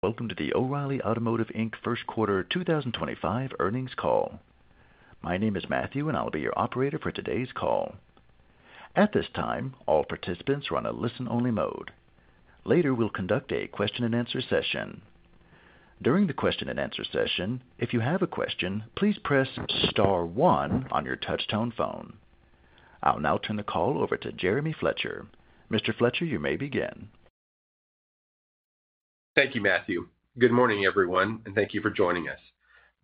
Welcome to the O'Reilly Automotive Inc First Quarter 2025 Earnings Call. My name is Matthew, and I'll be your operator for today's call. At this time, all participants are on a listen-only mode. Later, we'll conduct a question-and-answer session. During the question-and-answer session, if you have a question, please press star one on your touch-tone phone. I'll now turn the call over to Jeremy Fletcher. Mr. Fletcher, you may begin. Thank you, Matthew. Good morning, everyone, and thank you for joining us.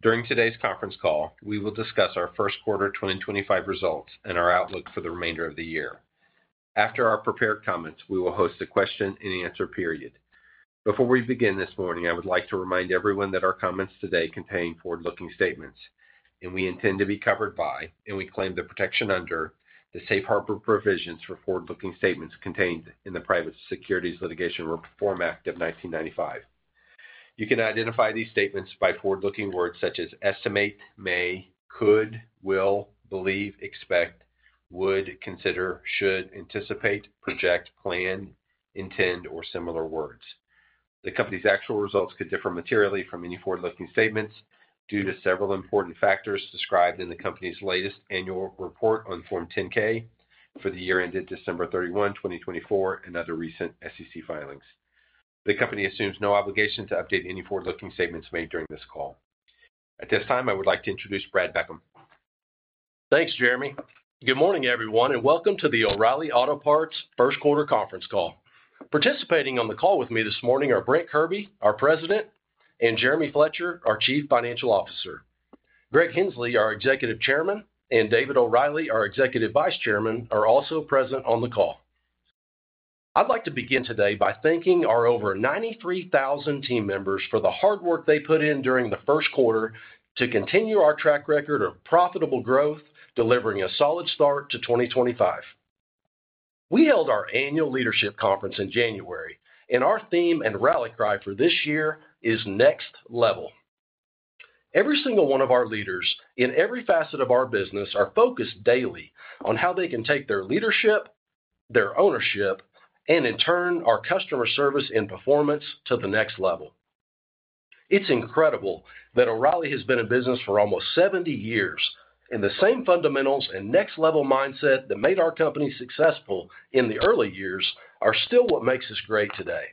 During today's conference call, we will discuss our first quarter 2025 results and our outlook for the remainder of the year. After our prepared comments, we will host a question-and-answer period. Before we begin this morning, I would like to remind everyone that our comments today contain forward-looking statements, and we intend to be covered by, and we claim the protection under, the safe harbor provisions for forward-looking statements contained in the Private Securities Litigation Reform Act of 1995. You can identify these statements by forward-looking words such as estimate, may, could, will, believe, expect, would, consider, should, anticipate, project, plan, intend, or similar words. The company's actual results could differ materially from any forward-looking statements due to several important factors described in the company's latest annual report on Form 10-K for the year ended December 31, 2024, and other recent SEC filings. The company assumes no obligation to update any forward-looking statements made during this call. At this time, I would like to introduce Brad Beckham. Thanks, Jeremy. Good morning, everyone, and welcome to the O'Reilly Auto Parts First Quarter Conference Call. Participating on the call with me this morning are Brent Kirby, our President, and Jeremy Fletcher, our Chief Financial Officer. Greg Henslee, our Executive Chairman, and David O'Reilly, our Executive Vice Chairman, are also present on the call. I'd like to begin today by thanking our over 93,000 team members for the hard work they put in during the first quarter to continue our track record of profitable growth, delivering a solid start to 2025. We held our annual leadership conference in January, and our theme and rally cry for this year is Next Level. Every single one of our leaders in every facet of our business are focused daily on how they can take their leadership, their ownership, and in turn, our customer service and performance to the next level. It's incredible that O'Reilly has been in business for almost 70 years, and the same fundamentals and next-level mindset that made our company successful in the early years are still what makes us great today.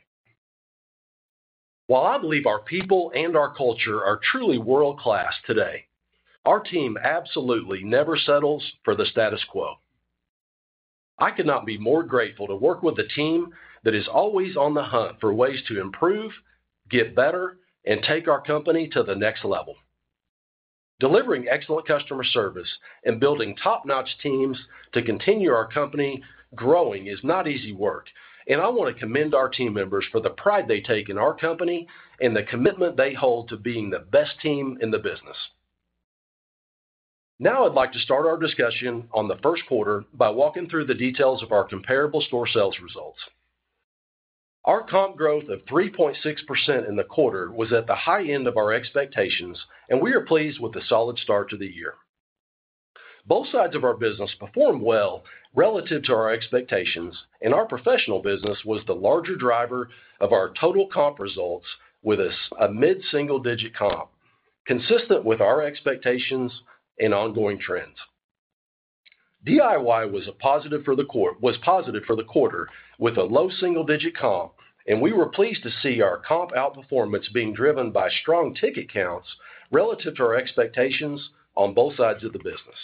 While I believe our people and our culture are truly world-class today, our team absolutely never settles for the status quo. I could not be more grateful to work with a team that is always on the hunt for ways to improve, get better, and take our company to the next level. Delivering excellent customer service and building top-notch teams to continue our company growing is not easy work, and I want to commend our team members for the pride they take in our company and the commitment they hold to being the best team in the business. Now, I'd like to start our discussion on the first quarter by walking through the details of our comparable store sales results. Our comp growth of 3.6% in the quarter was at the high end of our expectations, and we are pleased with the solid start to the year. Both sides of our business performed well relative to our expectations, and our professional business was the larger driver of our total comp results with a mid-single-digit comp, consistent with our expectations and ongoing trends. DIY was positive for the quarter with a low single-digit comp, and we were pleased to see our comp outperformance being driven by strong ticket counts relative to our expectations on both sides of the business.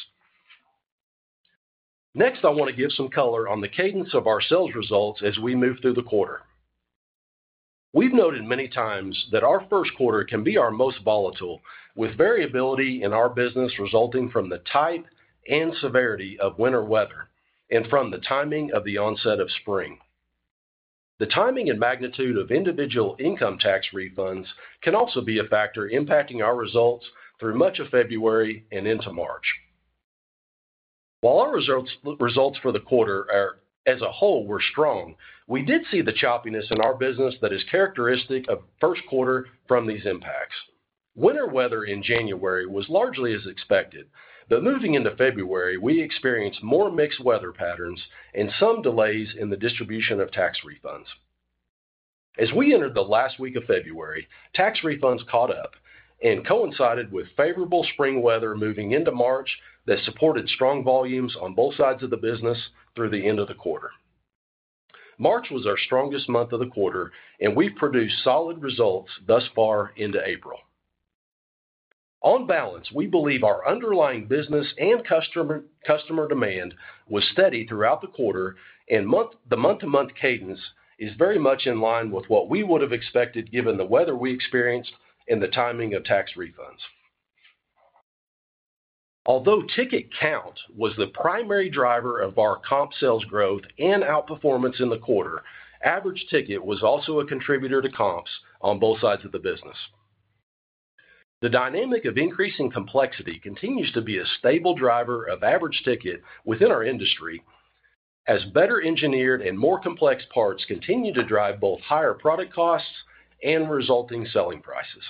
Next, I want to give some color on the cadence of our sales results as we move through the quarter. We've noted many times that our first quarter can be our most volatile, with variability in our business resulting from the type and severity of winter weather and from the timing of the onset of spring. The timing and magnitude of individual income tax refunds can also be a factor impacting our results through much of February and into March. While our results for the quarter as a whole were strong, we did see the choppiness in our business that is characteristic of first quarter from these impacts. Winter weather in January was largely as expected, but moving into February, we experienced more mixed weather patterns and some delays in the distribution of tax refunds. As we entered the last week of February, tax refunds caught up and coincided with favorable spring weather moving into March that supported strong volumes on both sides of the business through the end of the quarter. March was our strongest month of the quarter, and we've produced solid results thus far into April. On balance, we believe our underlying business and customer demand was steady throughout the quarter, and the month-to-month cadence is very much in line with what we would have expected given the weather we experienced and the timing of tax refunds. Although ticket count was the primary driver of our comp sales growth and outperformance in the quarter, average ticket was also a contributor to comps on both sides of the business. The dynamic of increasing complexity continues to be a stable driver of average ticket within our industry as better engineered and more complex parts continue to drive both higher product costs and resulting selling prices.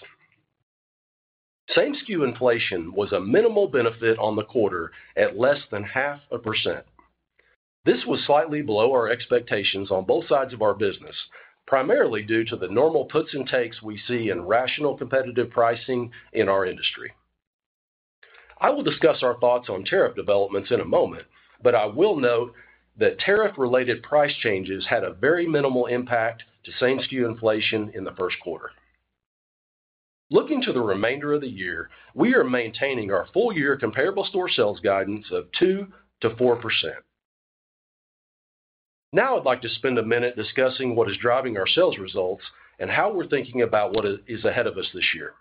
Same SKU inflation was a minimal benefit on the quarter at less than half a percent. This was slightly below our expectations on both sides of our business, primarily due to the normal puts and takes we see in rational competitive pricing in our industry. I will discuss our thoughts on tariff developments in a moment, but I will note that tariff-related price changes had a very minimal impact to same SKU inflation in the first quarter. Looking to the remainder of the year, we are maintaining our full-year comparable store sales guidance of 2%-4%. Now, I'd like to spend a minute discussing what is driving our sales results and how we're thinking about what is ahead of us this year.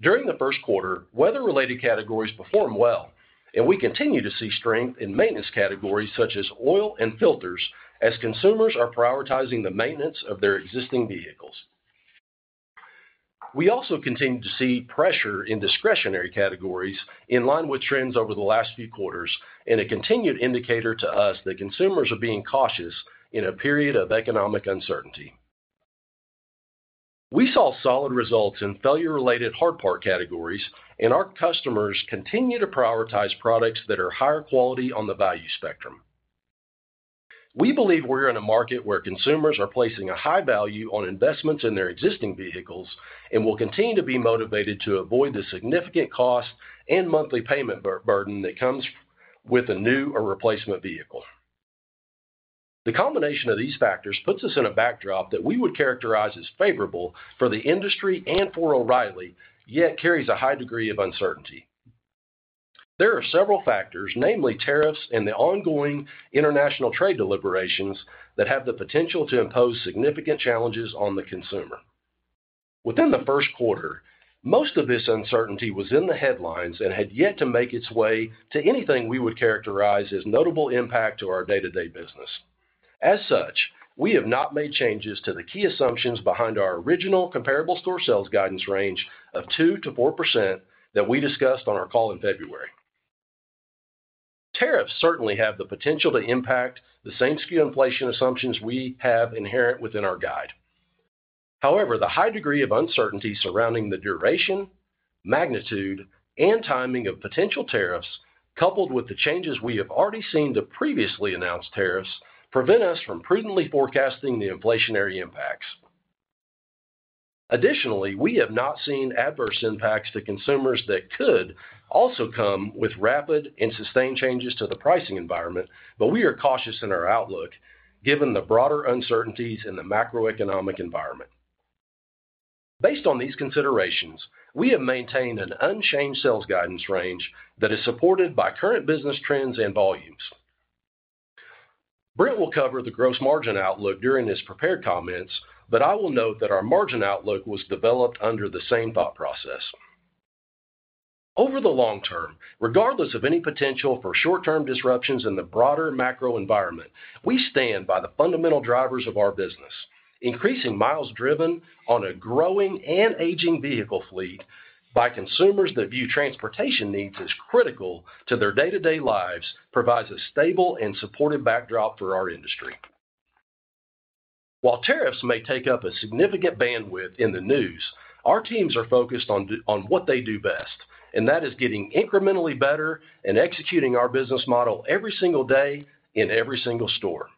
During the first quarter, weather-related categories performed well, and we continue to see strength in maintenance categories such as oil and filters as consumers are prioritizing the maintenance of their existing vehicles. We also continue to see pressure in discretionary categories in line with trends over the last few quarters, and it continued to indicate to us that consumers are being cautious in a period of economic uncertainty. We saw solid results in failure-related hard part categories, and our customers continue to prioritize products that are higher quality on the value spectrum. We believe we're in a market where consumers are placing a high value on investments in their existing vehicles and will continue to be motivated to avoid the significant cost and monthly payment burden that comes with a new or replacement vehicle. The combination of these factors puts us in a backdrop that we would characterize as favorable for the industry and for O'Reilly, yet carries a high degree of uncertainty. There are several factors, namely tariffs and the ongoing international trade deliberations that have the potential to impose significant challenges on the consumer. Within the first quarter, most of this uncertainty was in the headlines and had yet to make its way to anything we would characterize as notable impact to our day-to-day business. As such, we have not made changes to the key assumptions behind our original comparable store sales guidance range of 2%-4% that we discussed on our call in February. Tariffs certainly have the potential to impact the same SKU inflation assumptions we have inherent within our guide. However, the high degree of uncertainty surrounding the duration, magnitude, and timing of potential tariffs, coupled with the changes we have already seen to previously announced tariffs, prevent us from prudently forecasting the inflationary impacts. Additionally, we have not seen adverse impacts to consumers that could also come with rapid and sustained changes to the pricing environment, but we are cautious in our outlook given the broader uncertainties in the macroeconomic environment. Based on these considerations, we have maintained an unchanged sales guidance range that is supported by current business trends and volumes. Brent will cover the gross margin outlook during his prepared comments, but I will note that our margin outlook was developed under the same thought process. Over the long-term, regardless of any potential for short-term disruptions in the broader macro environment, we stand by the fundamental drivers of our business. Increasing miles driven on a growing and aging vehicle fleet by consumers that view transportation needs as critical to their day-to-day lives provides a stable and supportive backdrop for our industry. While tariffs may take up a significant bandwidth in the news, our teams are focused on what they do best, and that is getting incrementally better and executing our business model every single day in every single store.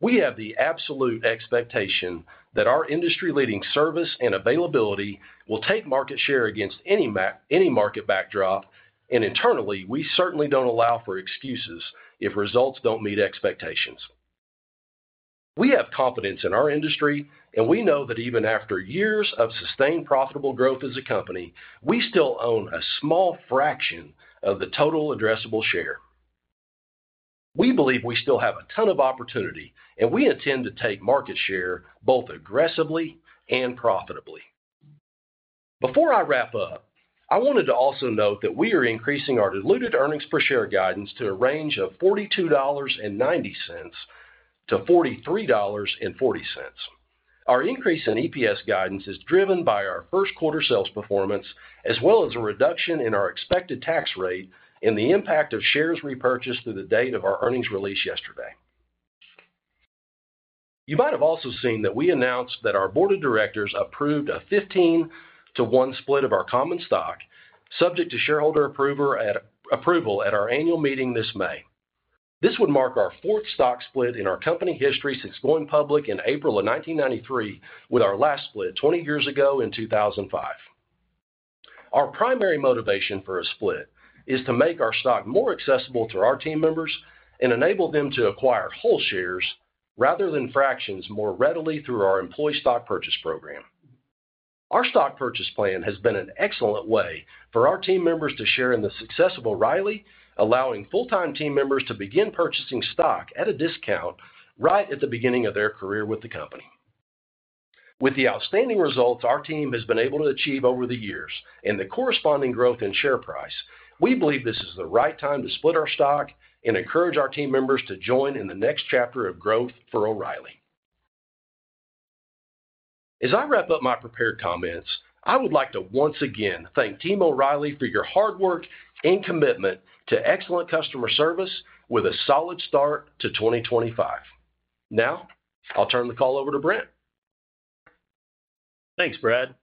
We have the absolute expectation that our industry-leading service and availability will take market share against any market backdrop, and internally, we certainly do not allow for excuses if results do not meet expectations. We have confidence in our industry, and we know that even after years of sustained profitable growth as a company, we still own a small fraction of the total addressable share. We believe we still have a ton of opportunity, and we intend to take market share both aggressively and profitably. Before I wrap up, I wanted to also note that we are increasing our diluted Earnings Per Share guidance to a range of $42.90-$43.40. Our increase in EPS guidance is driven by our first quarter sales performance as well as a reduction in our expected tax rate and the impact of shares repurchased to the date of our earnings release yesterday. You might have also seen that we announced that our board of directors approved a 15/1 split of our common stock, subject to shareholder approval at our annual meeting this May. This would mark our fourth stock split in our company history since going public in April of 1993, with our last split 20 years ago in 2005. Our primary motivation for a split is to make our stock more accessible to our team members and enable them to acquire whole shares rather than fractions more readily through our employee stock purchase program. Our stock purchase plan has been an excellent way for our team members to share in the success of O'Reilly, allowing full-time team members to begin purchasing stock at a discount right at the beginning of their career with the company. With the outstanding results our team has been able to achieve over the years and the corresponding growth in share price, we believe this is the right time to split our stock and encourage our team members to join in the next chapter of growth for O'Reilly. As I wrap up my prepared comments, I would like to once again thank Team O'Reilly for your hard work and commitment to excellent customer service with a solid start to 2025. Now, I'll turn the call over to Brent. Thanks, Brad.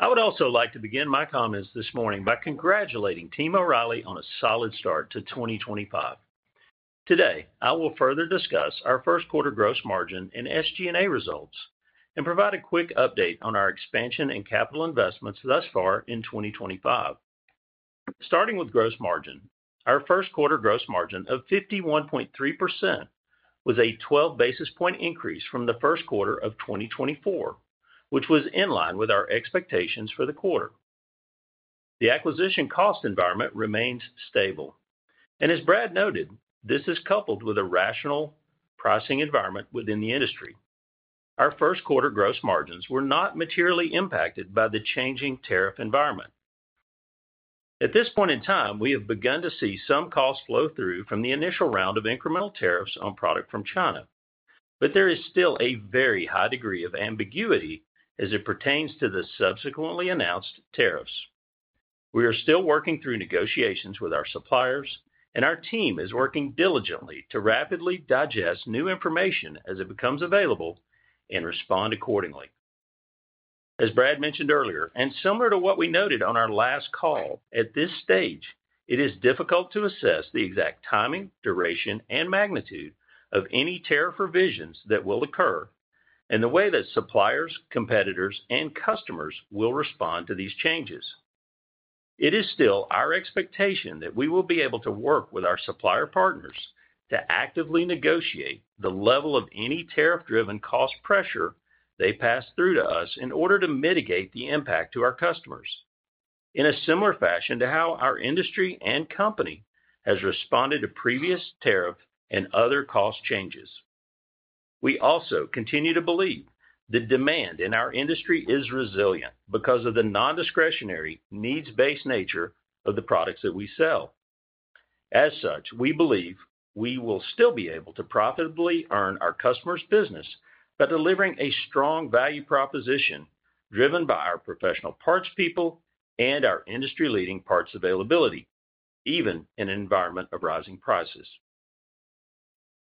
I would also like to begin my comments this morning by congratulating Team O'Reilly on a solid start to 2025. Today, I will further discuss our first quarter gross margin and SG&A results and provide a quick update on our expansion and capital investments thus far in 2025. Starting with gross margin, our first quarter gross margin of 51.3% was a 12 basis point increase from the first quarter of 2024, which was in line with our expectations for the quarter. The acquisition cost environment remains stable, and as Brad noted, this is coupled with a rational pricing environment within the industry. Our first quarter gross margins were not materially impacted by the changing tariff environment. At this point in time, we have begun to see some cost flow through from the initial round of incremental tariffs on product from China, but there is still a very high degree of ambiguity as it pertains to the subsequently announced tariffs. We are still working through negotiations with our suppliers, and our team is working diligently to rapidly digest new information as it becomes available and respond accordingly. As Brad mentioned earlier, and similar to what we noted on our last call, at this stage, it is difficult to assess the exact timing, duration, and magnitude of any tariff revisions that will occur and the way that suppliers, competitors, and customers will respond to these changes. It is still our expectation that we will be able to work with our supplier partners to actively negotiate the level of any tariff-driven cost pressure they pass through to us in order to mitigate the impact to our customers in a similar fashion to how our industry and company has responded to previous tariff and other cost changes. We also continue to believe the demand in our industry is resilient because of the non-discretionary needs-based nature of the products that we sell. As such, we believe we will still be able to profitably earn our customers' business by delivering a strong value proposition driven by our professional parts people and our industry-leading parts availability, even in an environment of rising prices.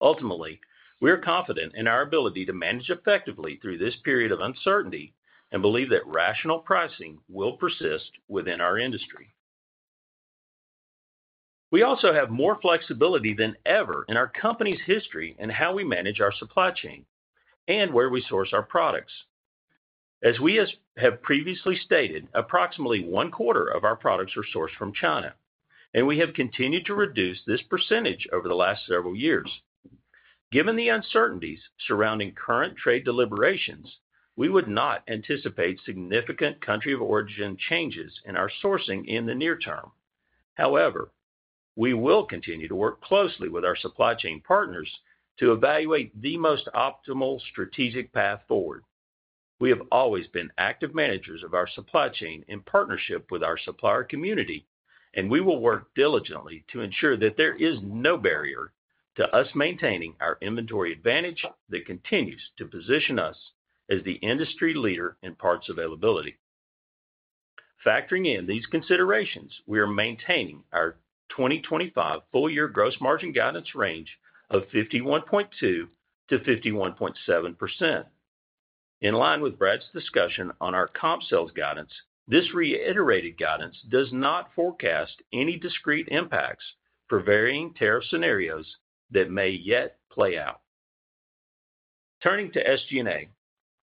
Ultimately, we are confident in our ability to manage effectively through this period of uncertainty and believe that rational pricing will persist within our industry. We also have more flexibility than ever in our company's history in how we manage our supply chain and where we source our products. As we have previously stated, approximately one quarter of our products are sourced from China, and we have continued to reduce this percentage over the last several years. Given the uncertainties surrounding current trade deliberations, we would not anticipate significant country of origin changes in our sourcing in the near-term. However, we will continue to work closely with our supply chain partners to evaluate the most optimal strategic path forward. We have always been active managers of our supply chain in partnership with our supplier community, and we will work diligently to ensure that there is no barrier to us maintaining our inventory advantage that continues to position us as the industry leader in parts availability. Factoring in these considerations, we are maintaining our 2025 full-year gross margin guidance range of 51.2%-51.7%. In line with Brad's discussion on our comp sales guidance, this reiterated guidance does not forecast any discrete impacts for varying tariff scenarios that may yet play out. Turning to SG&A,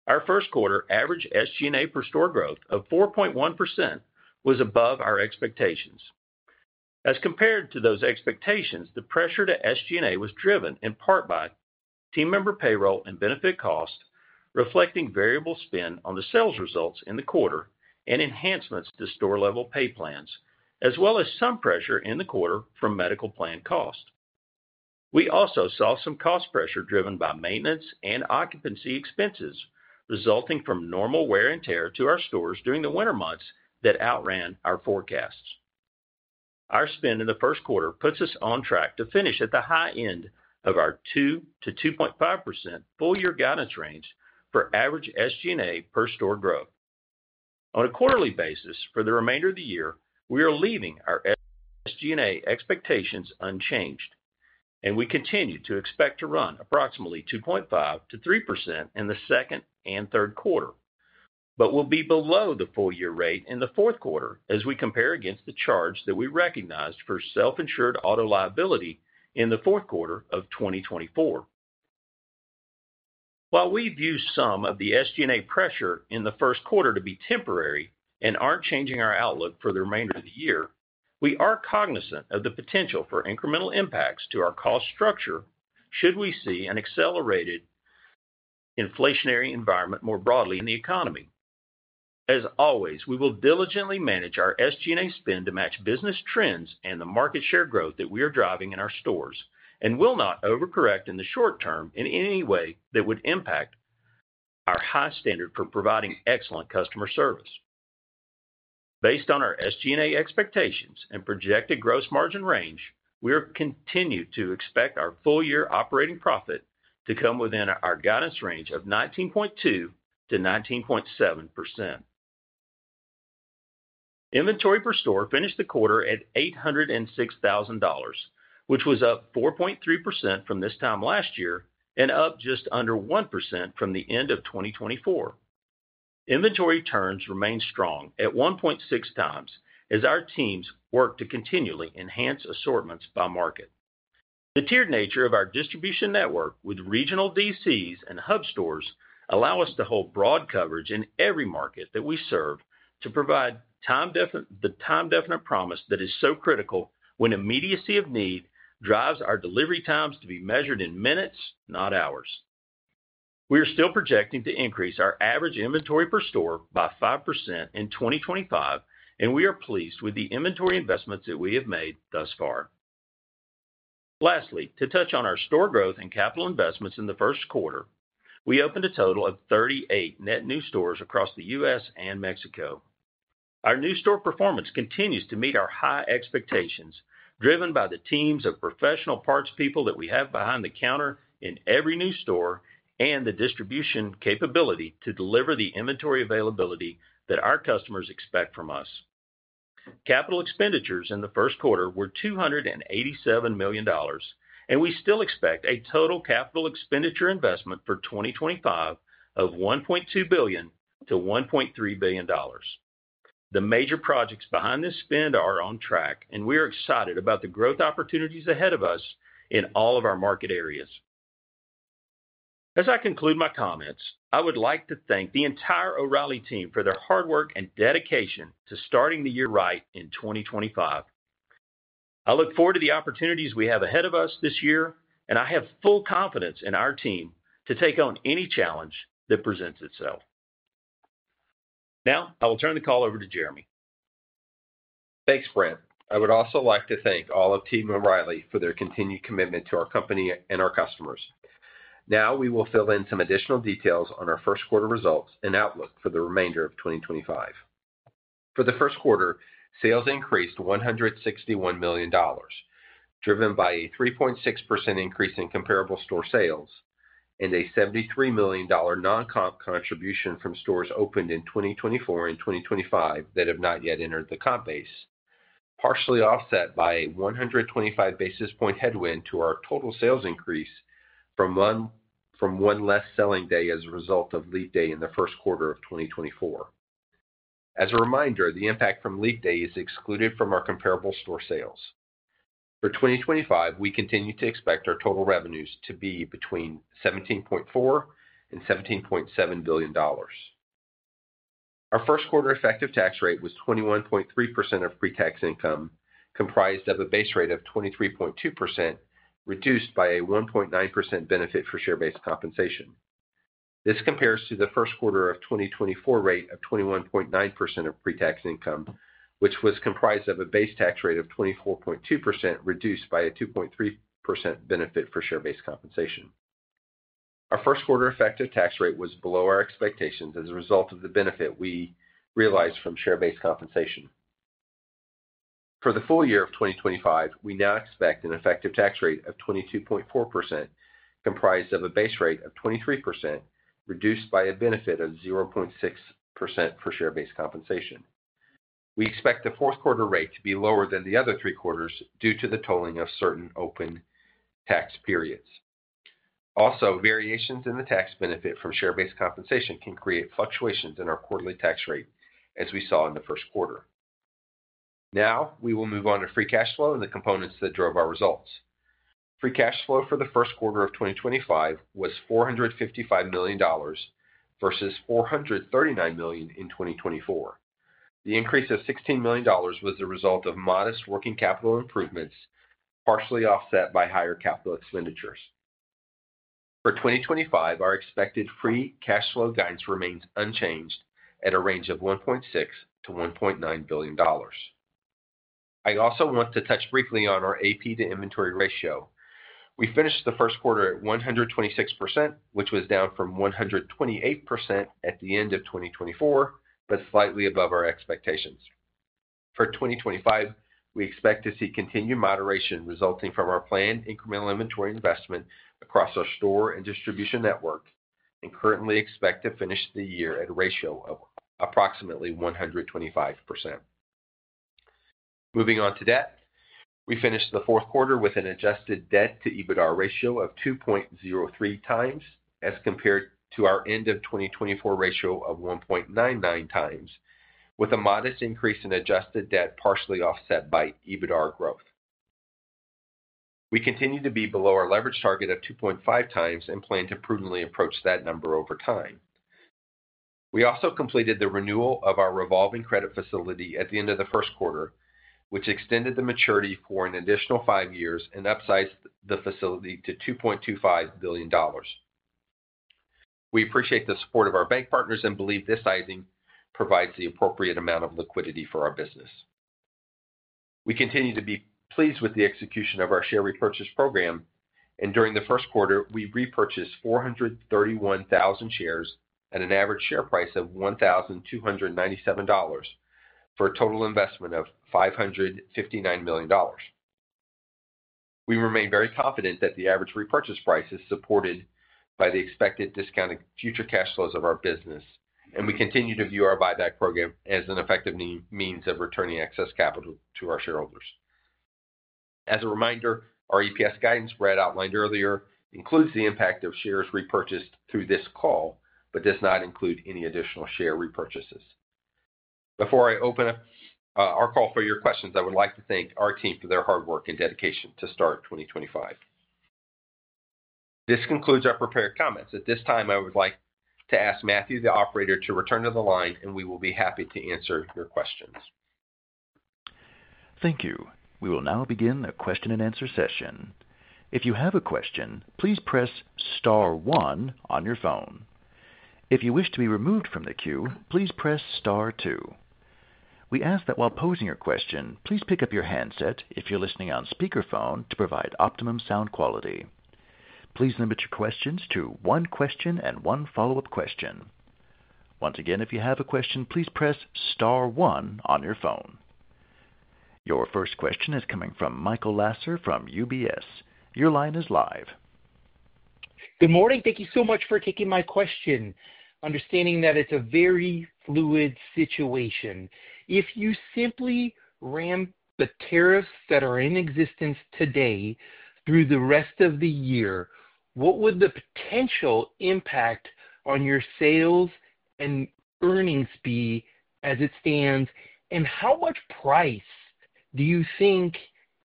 our first quarter average SG&A per store growth of 4.1% was above our expectations. As compared to those expectations, the pressure to SG&A was driven in part by team member payroll and benefit costs, reflecting variable spend on the sales results in the quarter and enhancements to store-level pay plans, as well as some pressure in the quarter from medical plan costs. We also saw some cost pressure driven by maintenance and occupancy expenses resulting from normal wear and tear to our stores during the winter months that outran our forecasts. Our spend in the first quarter puts us on track to finish at the high end of our 2%-2.5% full-year guidance range for average SG&A per store growth. On a quarterly basis, for the remainder of the year, we are leaving our SG&A expectations unchanged, and we continue to expect to run approximately 2.5%-3% in the second and third quarter, but will be below the full-year rate in the fourth quarter as we compare against the charge that we recognized for self-insured auto liability in the fourth quarter of 2024. While we view some of the SG&A pressure in the first quarter to be temporary and aren't changing our outlook for the remainder of the year, we are cognizant of the potential for incremental impacts to our cost structure should we see an accelerated inflationary environment more broadly in the economy. As always, we will diligently manage our SG&A spend to match business trends and the market share growth that we are driving in our stores and will not overcorrect in the short-term in any way that would impact our high standard for providing excellent customer service. Based on our SG&A expectations and projected gross margin range, we continue to expect our full-year operating profit to come within our guidance range of 19.2%-19.7%. Inventory-per-store finished the quarter at $806,000, which was up 4.3% from this time last year and up just under 1% from the end of 2024. Inventory turns remain strong at 1.6x as our teams work to continually enhance assortments by market. The tiered nature of our distribution network with regional DCs and hub stores allows us to hold broad coverage in every market that we serve to provide the time-definite promise that is so critical when immediacy of need drives our delivery times to be measured in minutes, not hours. We are still projecting to increase our average inventory-per-store by 5% in 2025, and we are pleased with the inventory investments that we have made thus far. Lastly, to touch on our store growth and capital investments in the first quarter, we opened a total of 38 net new stores across the U.S. and Mexico. Our new store performance continues to meet our high expectations driven by the teams of professional parts people that we have behind the counter in every new store and the distribution capability to deliver the inventory availability that our customers expect from us. Capital expenditures in the first quarter were $287 million, and we still expect a total capital expenditure investment for 2025 of $1.2 billion-$1.3 billion. The major projects behind this spend are on track, and we are excited about the growth opportunities ahead of us in all of our market areas. As I conclude my comments, I would like to thank the entire O'Reilly team for their hard work and dedication to starting the year right in 2025. I look forward to the opportunities we have ahead of us this year, and I have full confidence in our team to take on any challenge that presents itself. Now, I will turn the call over to Jeremy. Thanks, Brad. I would also like to thank all of Team O'Reilly for their continued commitment to our company and our customers. Now, we will fill in some additional details on our first quarter results and outlook for the remainder of 2025. For the first quarter, sales increased $161 million, driven by a 3.6% increase in comparable store sales and a $73 million non-comp contribution from stores opened in 2024 and 2025 that have not yet entered the comp base, partially offset by a 125 basis point headwind to our total sales increase from one less selling day as a result of leap day in the first quarter of 2024. As a reminder, the impact from leap day is excluded from our comparable store sales. For 2025, we continue to expect our total revenues to be between $17.4 billion and $17.7 billion. Our first quarter effective tax rate was 21.3% of pre-tax income, comprised of a base rate of 23.2%, reduced by a 1.9% benefit for share-based compensation. This compares to the first quarter of 2024 rate of 21.9% of pre-tax income, which was comprised of a base tax rate of 24.2%, reduced by a 2.3% benefit for share-based compensation. Our first quarter effective tax rate was below our expectations as a result of the benefit we realized from share-based compensation. For the full year of 2025, we now expect an effective tax rate of 22.4%, comprised of a base rate of 23%, reduced by a benefit of 0.6% for share-based compensation. We expect the fourth quarter rate to be lower than the other three quarters due to the tolling of certain open tax periods. Also, variations in the tax benefit from share-based compensation can create fluctuations in our quarterly tax rate as we saw in the first quarter. Now, we will move on to free cash flow and the components that drove our results. Free cash flow for the first quarter of 2025 was $455 million vs $439 million in 2024. The increase of $16 million was the result of modest working capital improvements, partially offset by higher capital expenditures. For 2025, our expected free cash flow guidance remains unchanged at a range of $1.6 billion-$1.9 billion. I also want to touch briefly on our AP to inventory ratio. We finished the first quarter at 126%, which was down from 128% at the end of 2024, but slightly above our expectations. For 2025, we expect to see continued moderation resulting from our planned incremental inventory investment across our store and distribution network and currently expect to finish the year at a ratio of approximately 125%. Moving on to debt, we finished the fourth quarter with an adjusted debt to EBITDA ratio of 2.03x as compared to our end of 2024 ratio of 1.99x, with a modest increase in adjusted debt partially offset by EBITDA growth. We continue to be below our leverage target of 2.5 times and plan to prudently approach that number over time. We also completed the renewal of our revolving credit facility at the end of the first quarter, which extended the maturity for an additional five years and upsized the facility to $2.25 billion. We appreciate the support of our bank partners and believe this sizing provides the appropriate amount of liquidity for our business. We continue to be pleased with the execution of our share repurchase program, and during the first quarter, we repurchased 431,000 shares at an average share price of $1,297 for a total investment of $559 million. We remain very confident that the average repurchase price is supported by the expected discounted future cash flows of our business, and we continue to view our buyback program as an effective means of returning excess capital to our shareholders. As a reminder, our EPS guidance, Brad outlined earlier, includes the impact of shares repurchased through this call but does not include any additional share repurchases. Before I open up our call for your questions, I would like to thank our team for their hard work and dedication to start 2025. This concludes our prepared comments. At this time, I would like to ask Matthew, the operator, to return to the line, and we will be happy to answer your questions. Thank you. We will now begin the question and answer session. If you have a question, please press Star one on your phone. If you wish to be removed from the queue, please press Star two. We ask that while posing your question, please pick up your handset if you're listening on speakerphone to provide optimum sound quality. Please limit your questions to one question and one follow-up question. Once again, if you have a question, please press Star one on your phone. Your first question is coming from Michael Lasser from UBS. Your line is live. Good morning. Thank you so much for taking my question, understanding that it's a very fluid situation. If you simply ran the tariffs that are in existence today through the rest of the year, what would the potential impact on your sales and earnings be as it stands? How much price do you think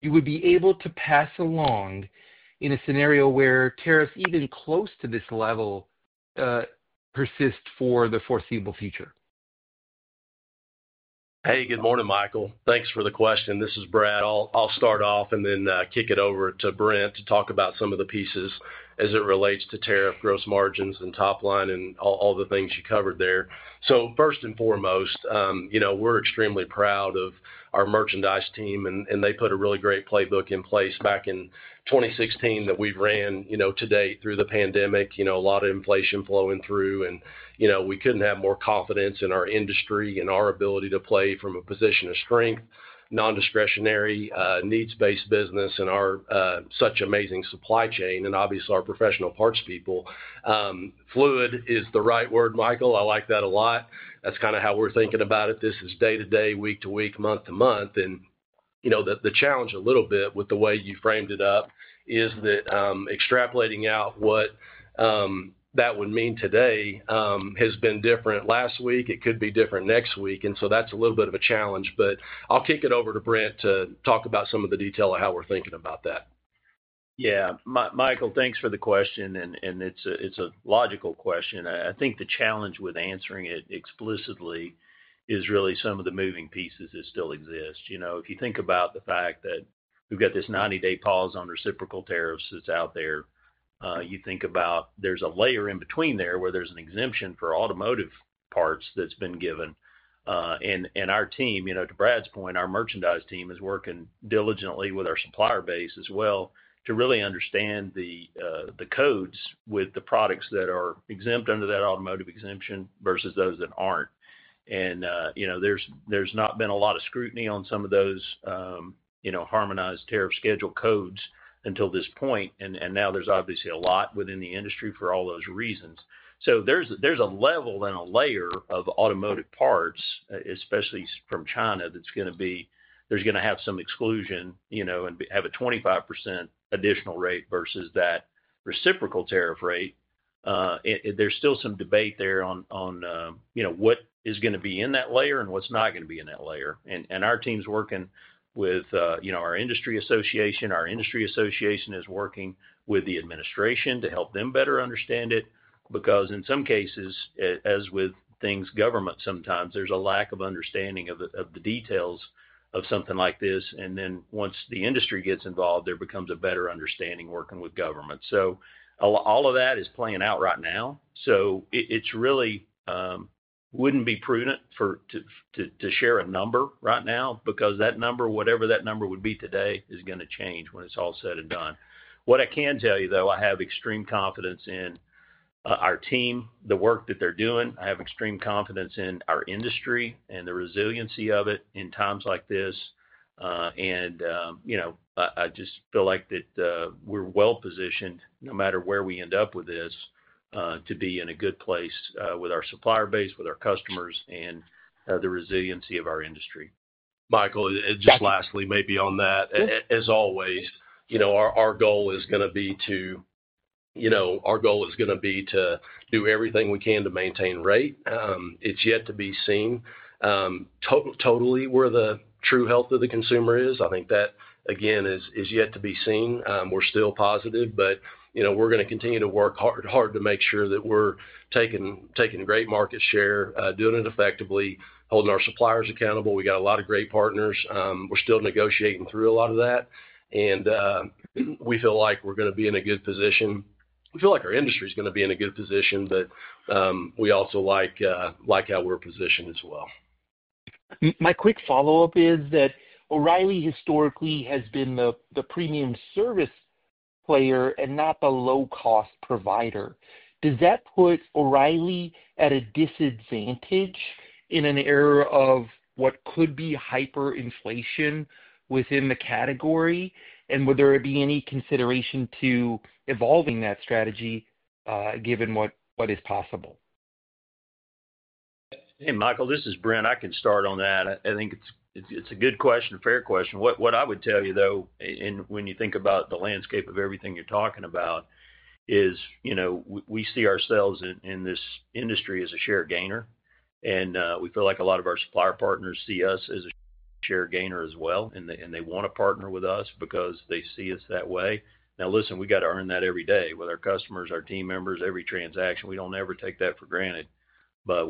you would be able to pass along in a scenario where tariffs even close to this level persist for the foreseeable future? Hey, good morning, Michael. Thanks for the question. This is Brad. I'll start off and then kick it over to Brent to talk about some of the pieces as it relates to tariff, gross margins, and top line, and all the things you covered there. First and foremost, we're extremely proud of our merchandise team, and they put a really great playbook in place back in 2016 that we've ran to date through the pandemic. A lot of inflation flowing through, and we could not have more confidence in our industry and our ability to play from a position of strength, non-discretionary, needs-based business, and our such amazing supply chain, and obviously our professional parts people. Fluid is the right word, Michael. I like that a lot. That is kind of how we are thinking about it. This is day to day, week to week, month to month. The challenge a little bit with the way you framed it up is that extrapolating out what that would mean today has been different last week. It could be different next week. That is a little bit of a challenge. I will kick it over to Brent to talk about some of the detail of how we are thinking about that. Yeah. Michael, thanks for the question. It is a logical question. I think the challenge with answering it explicitly is really some of the moving pieces that still exist. If you think about the fact that we've got this 90-day pause on reciprocal tariffs that's out there, you think about there's a layer in between there where there's an exemption for automotive parts that's been given. Our team, to Brad's point, our merchandise team is working diligently with our supplier base as well to really understand the codes with the products that are exempt under that automotive exemption versus those that aren't. There's not been a lot of scrutiny on some of those harmonized tariff schedule codes until this point. Now there's obviously a lot within the industry for all those reasons. There is a level and a layer of automotive parts, especially from China, that is going to have some exclusion and have a 25% additional rate versus that reciprocal tariff rate. There is still some debate there on what is going to be in that layer and what is not going to be in that layer. Our team's working with our industry association. Our industry association is working with the administration to help them better understand it because in some cases, as with things government sometimes, there is a lack of understanding of the details of something like this. Once the industry gets involved, there becomes a better understanding working with government. All of that is playing out right now. It really would not be prudent to share a number right now because that number, whatever that number would be today, is going to change when it is all said and done. What I can tell you, though, I have extreme confidence in our team, the work that they are doing. I have extreme confidence in our industry and the resiliency of it in times like this. I just feel like we are well positioned, no matter where we end up with this, to be in a good place with our supplier base, with our customers, and the resiliency of our industry. Michael, just lastly, maybe on that, as always, our goal is going to be to do everything we can to maintain rate. It is yet to be seen totally where the true health of the consumer is. I think that, again, is yet to be seen. We're still positive, but we're going to continue to work hard to make sure that we're taking great market share, doing it effectively, holding our suppliers accountable. We got a lot of great partners. We're still negotiating through a lot of that. We feel like we're going to be in a good position. We feel like our industry is going to be in a good position, but we also like how we're positioned as well. My quick follow-up is that O'Reilly historically has been the premium service player and not the low-cost provider. Does that put O'Reilly at a disadvantage in an era of what could be hyperinflation within the category? Would there be any consideration to evolving that strategy given what is possible? Hey, Michael, this is Brent. I can start on that. I think it's a good question, fair question. What I would tell you, though, when you think about the landscape of everything you're talking about, is we see ourselves in this industry as a share gainer. And we feel like a lot of our supplier partners see us as a share gainer as well, and they want to partner with us because they see us that way. Now, listen, we got to earn that every day with our customers, our team members, every transaction. We don't ever take that for granted.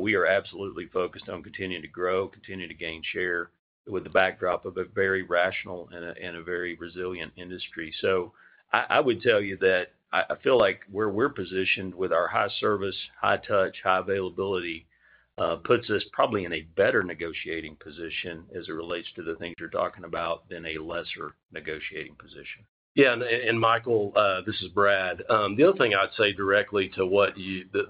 We are absolutely focused on continuing to grow, continuing to gain share with the backdrop of a very rational and a very resilient industry. I would tell you that I feel like where we're positioned with our high service, high touch, high availability puts us probably in a better negotiating position as it relates to the things you're talking about than a lesser negotiating position. Yeah. Michael, this is Brad. The other thing I'd say directly to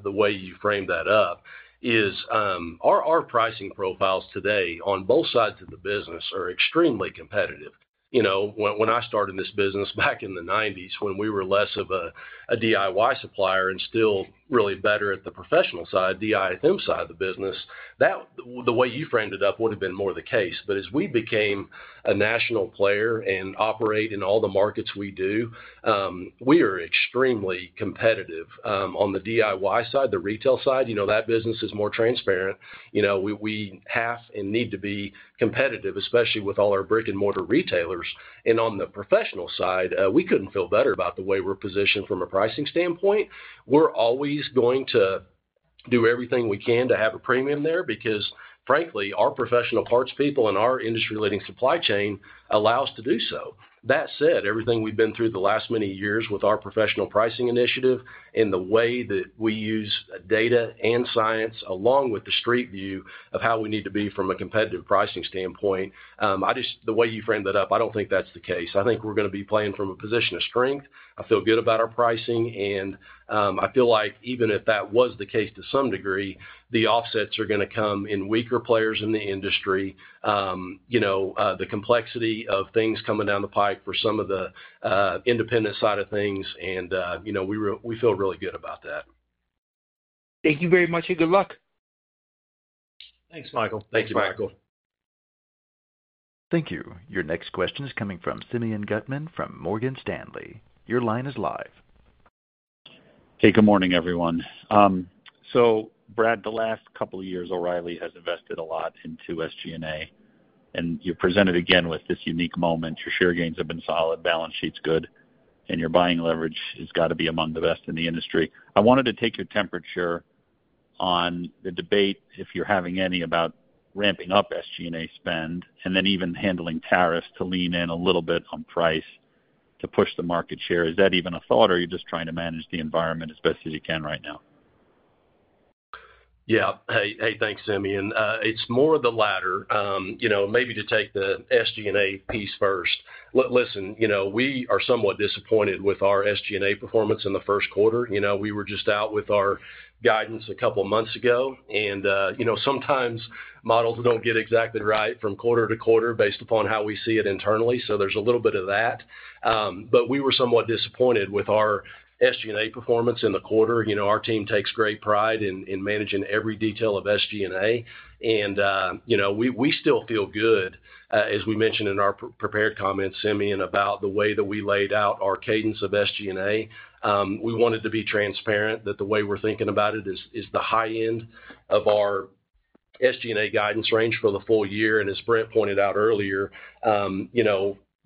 the way you framed that up is our pricing profiles today on both sides of the business are extremely competitive. When I started this business back in the 1990s, when we were less of a DIY supplier and still really better at the professional side, IFM side of the business, the way you framed it up would have been more the case. As we became a national player and operate in all the markets we do, we are extremely competitive on the DIY side, the retail side. That business is more transparent. We have and need to be competitive, especially with all our brick-and-mortar retailers. On the professional side, we could not feel better about the way we are positioned from a pricing standpoint. We are always going to do everything we can to have a premium there because, frankly, our professional parts people and our industry-leading supply chain allow us to do so. That said, everything we have been through the last many years with our professional pricing initiative and the way that we use data and science along with the street view of how we need to be from a competitive pricing standpoint, the way you framed that up, I do not think that is the case. I think we are going to be playing from a position of strength. I feel good about our pricing. I feel like even if that was the case to some degree, the offsets are going to come in weaker players in the industry, the complexity of things coming down the pike for some of the independent side of things. We feel really good about that. Thank you very much, and good luck. Thanks, Michael. Thank you, Michael. Thank you. Your next question is coming from Simeon Gutman from Morgan Stanley. Your line is live. Good morning, everyone. Brad, the last couple of years, O'Reilly has invested a lot into SG&A. You presented again with this unique moment. Your share gains have been solid. Balance sheet's good. Your buying leverage has got to be among the best in the industry. I wanted to take your temperature on the debate, if you're having any, about ramping up SG&A spend and then even handling tariffs to lean in a little bit on price to push the market share. Is that even a thought, or are you just trying to manage the environment as best as you can right now? Yeah. Hey, thanks, Simeon. It's more of the latter. Maybe to take the SG&A piece first, listen, we are somewhat disappointed with our SG&A performance in the first quarter. We were just out with our guidance a couple of months ago. Sometimes models don't get exactly right from quarter to quarter based upon how we see it internally. There's a little bit of that. We were somewhat disappointed with our SG&A performance in the quarter. Our team takes great pride in managing every detail of SG&A. We still feel good, as we mentioned in our prepared comments, Simeon, about the way that we laid out our cadence of SG&A. We wanted to be transparent that the way we're thinking about it is the high end of our SG&A guidance range for the full year. As Brent pointed out earlier,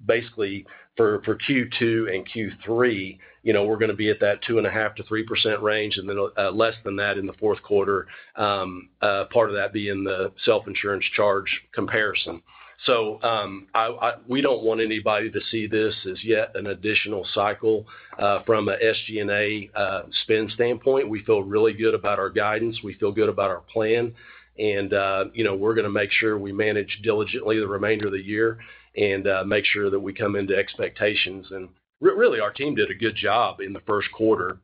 basically for Q2 and Q3, we're going to be at that 2.5%-3% range and then less than that in the fourth quarter, part of that being the self-insurance charge comparison. We do not want anybody to see this as yet an additional cycle from an SG&A spend standpoint. We feel really good about our guidance. We feel good about our plan. We are going to make sure we manage diligently the remainder of the year and make sure that we come into expectations. Our team did a good job in the first quarter.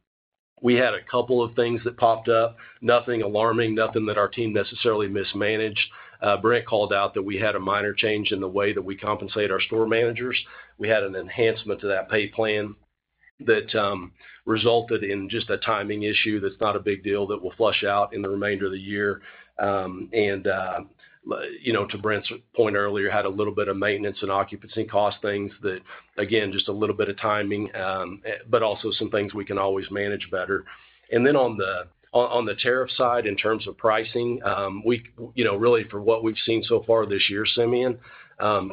We had a couple of things that popped up, nothing alarming, nothing that our team necessarily mismanaged. Brent called out that we had a minor change in the way that we compensate our store managers. We had an enhancement to that pay plan that resulted in just a timing issue that is not a big deal that will flush out in the remainder of the year. To Brent's point earlier, had a little bit of maintenance and occupancy cost things that, again, just a little bit of timing, but also some things we can always manage better. On the tariff side, in terms of pricing, really for what we have seen so far this year, Simeon,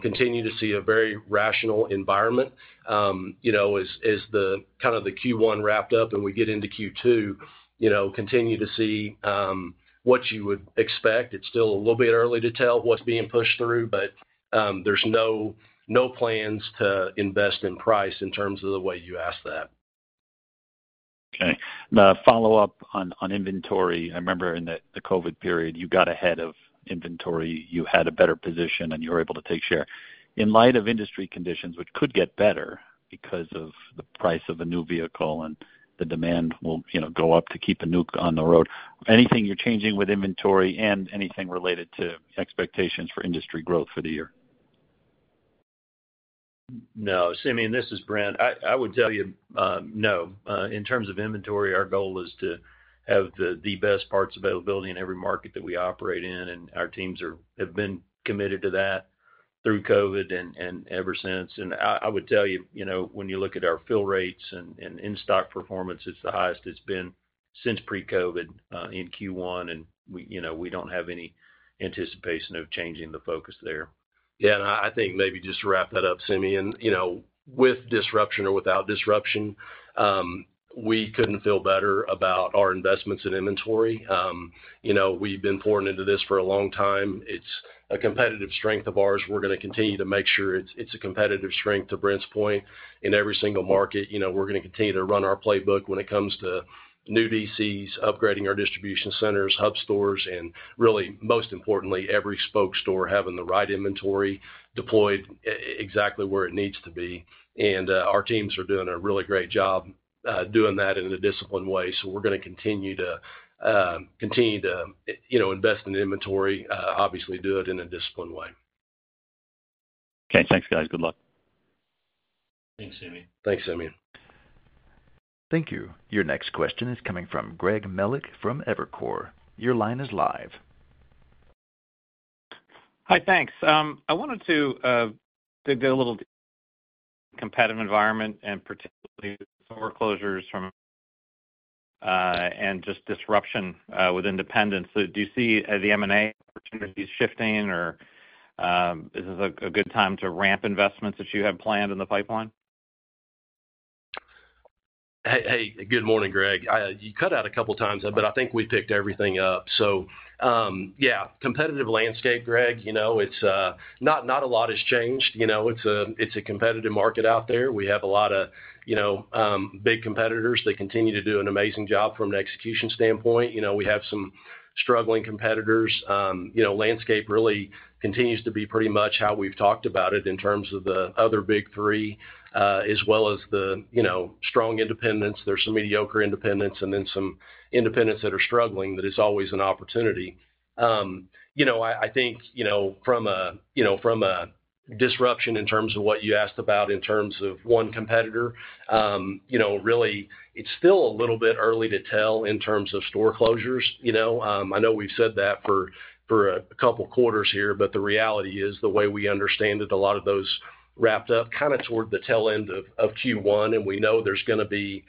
continue to see a very rational environment. As kind of the Q1 wrapped up and we get into Q2, continue to see what you would expect. It's still a little bit early to tell what's being pushed through, but there's no plans to invest in price in terms of the way you asked that. Okay. The follow-up on inventory, I remember in the COVID period, you got ahead of inventory. You had a better position, and you were able to take share. In light of industry conditions, which could get better because of the price of a new vehicle and the demand will go up to keep a nuke on the road, anything you're changing with inventory and anything related to expectations for industry growth for the year? No. Simeon, this is Brent. I would tell you, no. In terms of inventory, our goal is to have the best parts availability in every market that we operate in. Our teams have been committed to that through COVID and ever since. I would tell you, when you look at our fill rates and in-stock performance, it's the highest it's been since pre-COVID in Q1. We do not have any anticipation of changing the focus there. Yeah. I think maybe just to wrap that up, Simeon, with disruption or without disruption, we could not feel better about our investments in inventory. We have been pouring into this for a long time. It's a competitive strength of ours. We are going to continue to make sure it's a competitive strength to Brent's point in every single market. We're going to continue to run our playbook when it comes to new DCs, upgrading our distribution centers, hub stores, and really, most importantly, every spoke store having the right inventory deployed exactly where it needs to be. Our teams are doing a really great job doing that in a disciplined way. We're going to continue to invest in inventory, obviously do it in a disciplined way. Okay. Thanks, guys. Good luck. Thanks, Simeon. Thanks, Simeon. Thank you. Your next question is coming from Greg Melich from Evercore. Your line is live. Hi, thanks. I wanted to dig a little deeper into the competitive environment and particularly the foreclosures and just disruption with independence. Do you see the M&A opportunities shifting, or is this a good time to ramp investments that you have planned in the pipeline? Hey, good morning, Greg. You cut out a couple of times, but I think we picked everything up. Yeah, competitive landscape, Greg, not a lot has changed. It's a competitive market out there. We have a lot of big competitors that continue to do an amazing job from an execution standpoint. We have some struggling competitors. Landscape really continues to be pretty much how we've talked about it in terms of the other big three, as well as the strong independents. There are some mediocre independents and then some independents that are struggling, but it's always an opportunity. I think from a disruption in terms of what you asked about in terms of one competitor, really, it's still a little bit early to tell in terms of store closures. I know we've said that for a couple of quarters here, but the reality is the way we understand it, a lot of those wrapped up kind of toward the tail end of Q1. We know there's going to be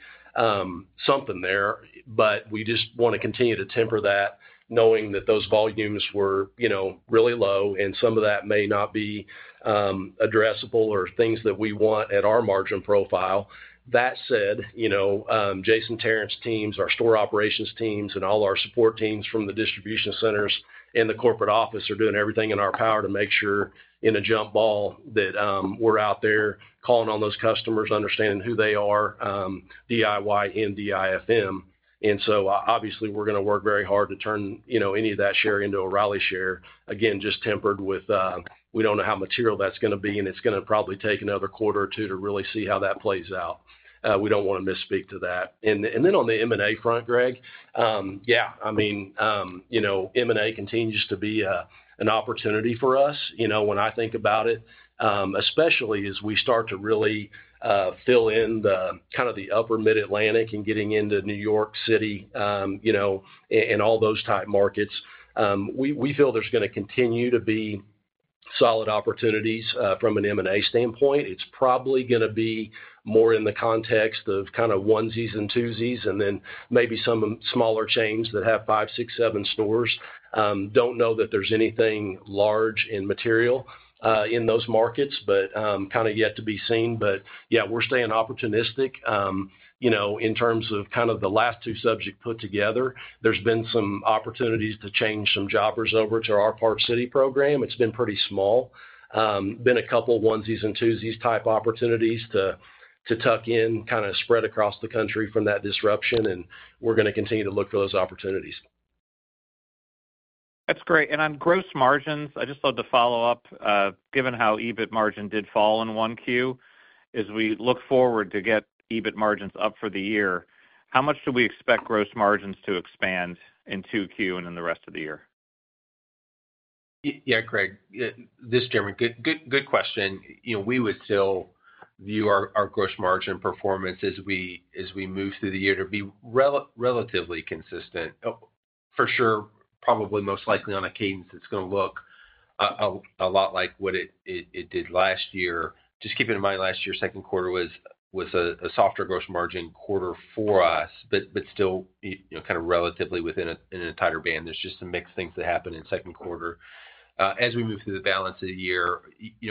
something there, but we just want to continue to temper that knowing that those volumes were really low. Some of that may not be addressable or things that we want at our margin profile. That said, Jason Tarrant's teams, our store operations teams, and all our support teams from the distribution centers and the corporate office are doing everything in our power to make sure in a jump ball that we're out there calling on those customers, understanding who they are, DIY and DIFM. Obviously, we're going to work very hard to turn any of that share into O'Reilly share, again, just tempered with we don't know how material that's going to be. It's going to probably take another quarter or two to really see how that plays out. We don't want to misspeak to that. On the M&A front, Greg, yeah, I mean, M&A continues to be an opportunity for us when I think about it, especially as we start to really fill in kind of the upper Mid-Atlantic and getting into New York City and all those type markets. We feel there's going to continue to be solid opportunities from an M&A standpoint. It's probably going to be more in the context of kind of onesies and twosies and then maybe some smaller chains that have five, six, seven stores. Don't know that there's anything large and material in those markets, but kind of yet to be seen. Yeah, we're staying opportunistic in terms of kind of the last two subjects put together. There's been some opportunities to change some jobbers over to our Park City program. It's been pretty small. Been a couple of onesies and twosies type opportunities to tuck in kind of spread across the country from that disruption. We're going to continue to look for those opportunities. That's great. On gross margins, I just wanted to follow up. Given how EBIT margin did fall in one Q, as we look forward to get EBIT margins up for the year, how much do we expect gross margins to expand in Q2 and in the rest of the year? Yeah, Greg, this is Jeremy. Good question. We would still view our gross margin performance as we move through the year to be relatively consistent. For sure, probably most likely on a cadence that's going to look a lot like what it did last year. Just keeping in mind last year's second quarter was a softer gross margin quarter for us, but still kind of relatively within an entire band. There are just some mixed things that happened in second quarter. As we move through the balance of the year,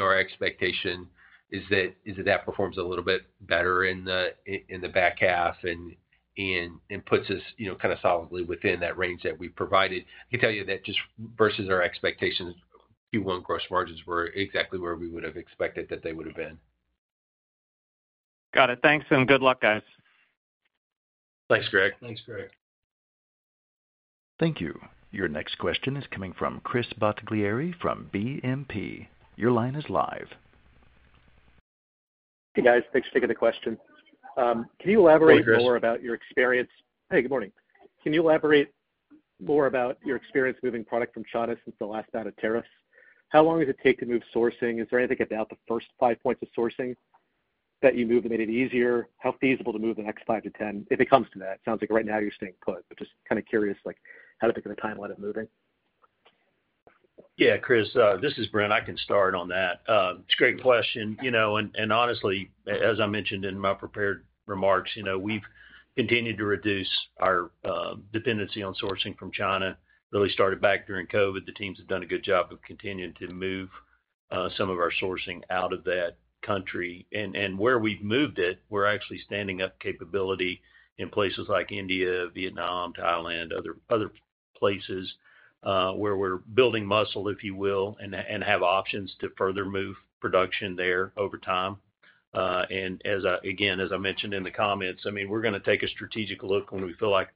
our expectation is that that performs a little bit better in the back half and puts us kind of solidly within that range that we provided. I can tell you that just versus our expectations, Q1 gross margins were exactly where we would have expected that they would have been. Got it. Thanks. Good luck, guys. Thanks, Greg. Thanks, Greg. Thank you. Your next question is coming from Chris Bottiglieri from BNP. Your line is live. Hey, guys. Thanks for taking the question. Can you elaborate more about your experience? Hey, good morning. Can you elaborate more about your experience moving product from China since the last batch of tariffs? How long does it take to move sourcing? Is there anything about the first five points of sourcing that you move to make it easier? How feasible to move the next five to 10 if it comes to that? It sounds like right now you're staying put, but just kind of curious how to pick the timeline of moving. Yeah, Chris, this is Brent. I can start on that. It's a great question. Honestly, as I mentioned in my prepared remarks, we've continued to reduce our dependency on sourcing from China. Really started back during COVID. The teams have done a good job of continuing to move some of our sourcing out of that country. Where we've moved it, we're actually standing up capability in places like India, Vietnam, Thailand, other places where we're building muscle, if you will, and have options to further move production there over time. I mean, as I mentioned in the comments, we're going to take a strategic look when we feel like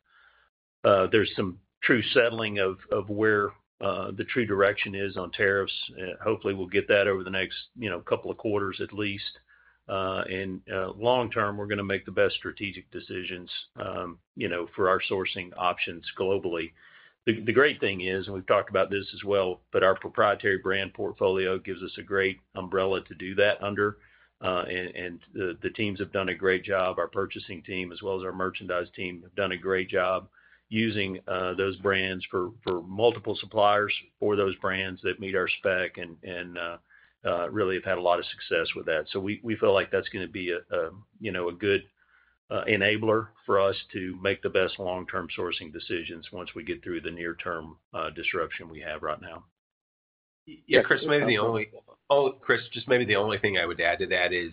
there's some true settling of where the true direction is on tariffs. Hopefully, we'll get that over the next couple of quarters at least. Long-term, we're going to make the best strategic decisions for our sourcing options globally. The great thing is, and we've talked about this as well, our proprietary brand portfolio gives us a great umbrella to do that under. The teams have done a great job. Our purchasing team, as well as our merchandise team, have done a great job using those brands for multiple suppliers for those brands that meet our spec and really have had a lot of success with that. We feel like that's going to be a good enabler for us to make the best long-term sourcing decisions once we get through the near-term disruption we have right now. Yeah, Chris, maybe the only, oh, Chris, just maybe the only thing I would add to that is,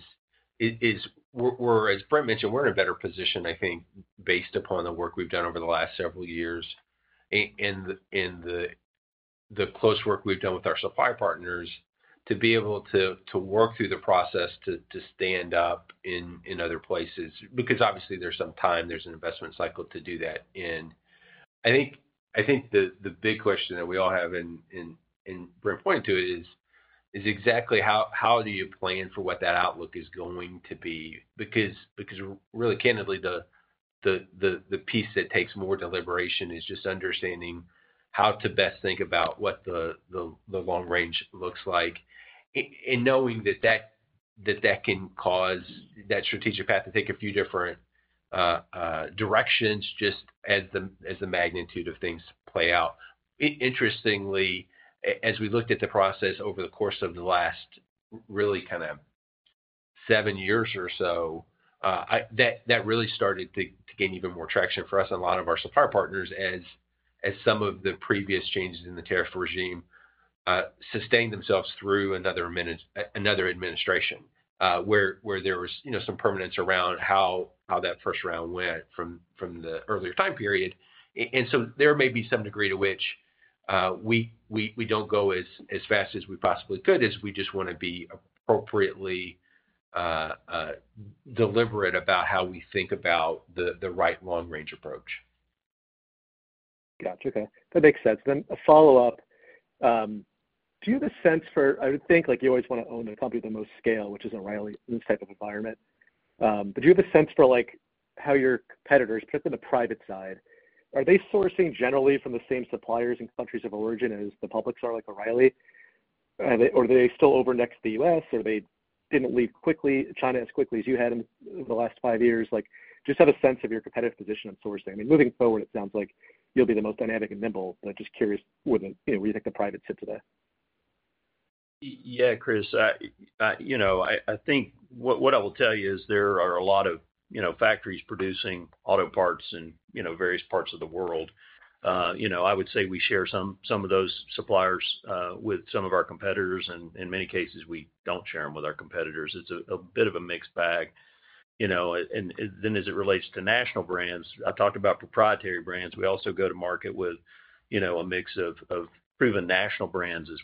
as Brent mentioned, we're in a better position, I think, based upon the work we've done over the last several years and the close work we've done with our supply partners to be able to work through the process to stand up in other places. Obviously, there's some time, there's an investment cycle to do that. I think the big question that we all have, Brent pointed to it, is exactly how do you plan for what that outlook is going to be? Because really, candidly, the piece that takes more deliberation is just understanding how to best think about what the long-range looks like and knowing that that can cause that strategic path to take a few different directions just as the magnitude of things play out. Interestingly, as we looked at the process over the course of the last really kind of seven years or so, that really started to gain even more traction for us and a lot of our supply partners as some of the previous changes in the tariff regime sustained themselves through another administration where there was some permanence around how that first round went from the earlier time period. There may be some degree to which we do not go as fast as we possibly could as we just want to be appropriately deliberate about how we think about the right long-range approach. Gotcha. Okay. That makes sense. A follow-up. Do you have a sense for, I would think you always want to own a company of the most scale, which is O'Reilly in this type of environment. Do you have a sense for how your competitors, particularly the private side, are they sourcing generally from the same suppliers and countries of origin as the publics are like O'Reilly? Are they still over next to the U.S.? Or they did not leave China as quickly as you had in the last five years? Just have a sense of your competitive position on sourcing. I mean, moving forward, it sounds like you'll be the most dynamic and nimble, but just curious where you think the private sits today. Yeah, Chris. I think what I will tell you is there are a lot of factories producing auto parts in various parts of the world. I would say we share some of those suppliers with some of our competitors. In many cases, we do not share them with our competitors. It's a bit of a mixed bag. As it relates to national brands, I talked about proprietary brands. We also go to market with a mix of proven national brands as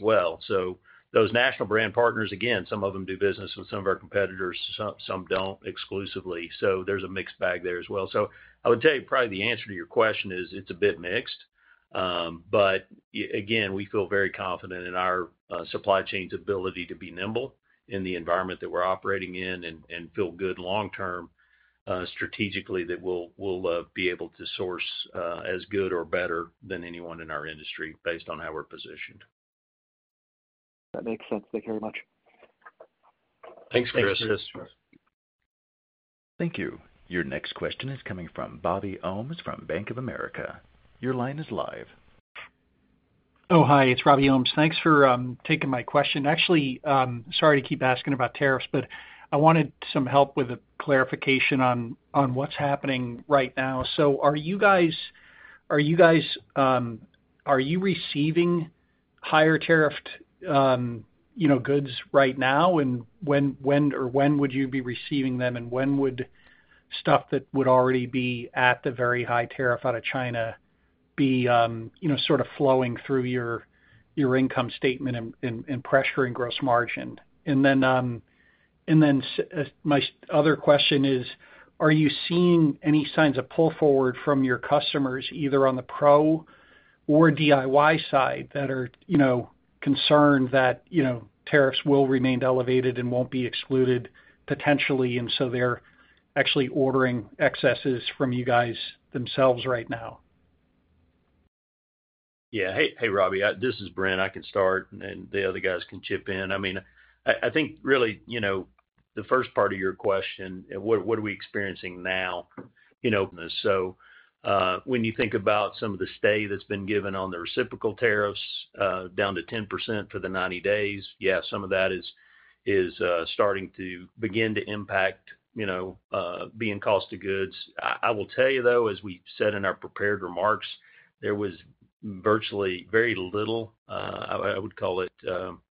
well. Those national brand partners, again, some of them do business with some of our competitors. Some do not exclusively. There is a mixed bag there as well. I would tell you probably the answer to your question is it's a bit mixed. Again, we feel very confident in our supply chain's ability to be nimble in the environment that we're operating in and feel good long-term strategically that we'll be able to source as good or better than anyone in our industry based on how we're positioned. That makes sense. Thank you very much. Thanks, Chris. Thank you. Your next question is coming from Robbie Ohmes from Bank of America. Your line is live. Oh, hi. It's Robbie Ohmes. Thanks for taking my question. Actually, sorry to keep asking about tariffs, but I wanted some help with a clarification on what's happening right now. Are you guys, are you receiving higher tariffed goods right now? And when or when would you be receiving them? When would stuff that would already be at the very high tariff out of China be sort of flowing through your income statement and pressuring gross margin? My other question is, are you seeing any signs of pull forward from your customers either on the pro or DIY side that are concerned that tariffs will remain elevated and will not be excluded potentially? They are actually ordering excesses from you guys themselves right now. Yeah. Hey, Robbie, this is Brent. I can start, and the other guys can chip in. I think really the first part of your question, what are we experiencing now? When you think about some of the stay that has been given on the reciprocal tariffs down to 10% for the 90 days, some of that is starting to begin to impact being cost of goods. I will tell you, though, as we said in our prepared remarks, there was virtually very little, I would call it,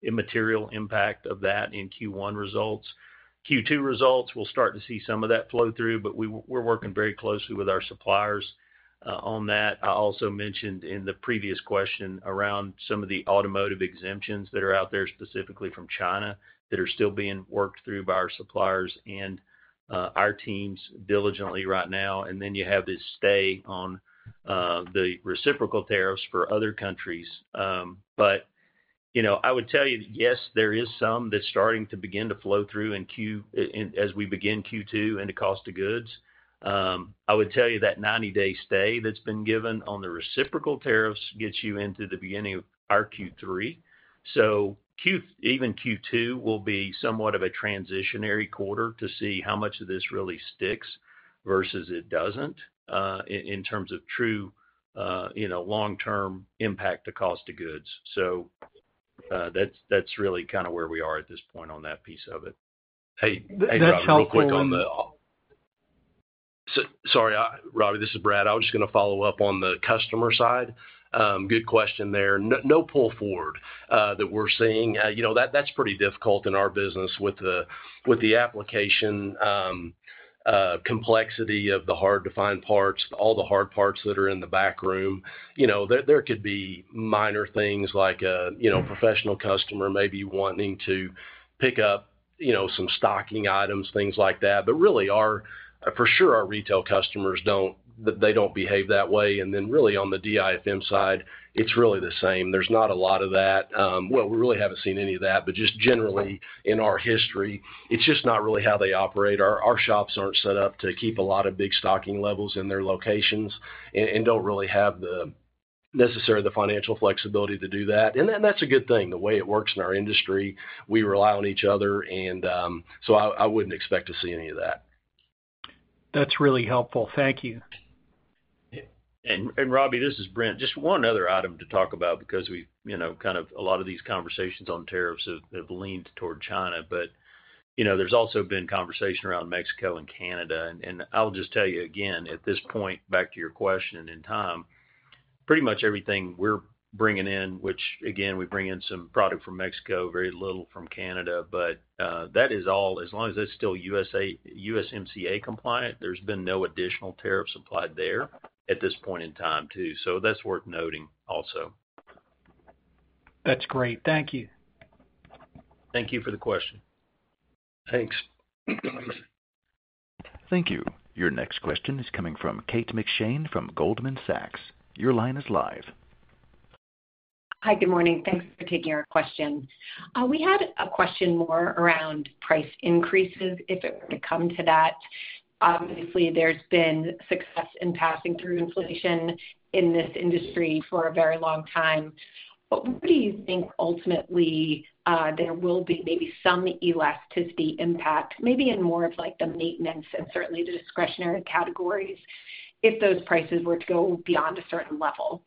immaterial impact of that in Q1 results. Q2 results, we'll start to see some of that flow through, but we're working very closely with our suppliers on that. I also mentioned in the previous question around some of the automotive exemptions that are out there specifically from China that are still being worked through by our suppliers and our teams diligently right now. You have this stay on the reciprocal tariffs for other countries. I would tell you, yes, there is some that's starting to begin to flow through as we begin Q2 into cost of goods. I would tell you that 90-day stay that's been given on the reciprocal tariffs gets you into the beginning of our Q3. Even Q2 will be somewhat of a transitionary quarter to see how much of this really sticks versus it does not in terms of true long-term impact to cost of goods. That is really kind of where we are at this point on that piece of it. Hey, Robbie, real quick on the, sorry, Robbie, this is Brad. I was just going to follow up on the customer side. Good question there. No pull forward that we are seeing. That is pretty difficult in our business with the application complexity of the hard-to-find parts, all the hard parts that are in the back room. There could be minor things like a professional customer maybe wanting to pick up some stocking items, things like that. Really, for sure, our retail customers, they do not behave that way. Then really on the DIFM side, it is really the same. There is not a lot of that. We really have not seen any of that, but just generally in our history, it is just not really how they operate. Our shops are not set up to keep a lot of big stocking levels in their locations and do not really have necessarily the financial flexibility to do that. That is a good thing. The way it works in our industry, we rely on each other. I would not expect to see any of that. That is really helpful. Thank you. Robbie, this is Brent. Just one other item to talk about because we have kind of a lot of these conversations on tariffs have leaned toward China, but there has also been conversation around Mexico and Canada. I'll just tell you again, at this point, back to your question in time, pretty much everything we're bringing in, which again, we bring in some product from Mexico, very little from Canada, but that is all. As long as it's still USMCA compliant, there's been no additional tariffs applied there at this point in time too. That's worth noting also. That's great. Thank you. Thank you for the question. Thanks. Thank you. Your next question is coming from Kate McShane from Goldman Sachs. Your line is live. Hi, good morning. Thanks for taking our question. We had a question more around price increases if it were to come to that. Obviously, there's been success in passing through inflation in this industry for a very long time. What do you think ultimately there will be maybe some elasticity impact, maybe in more of the maintenance and certainly the discretionary categories if those prices were to go beyond a certain level?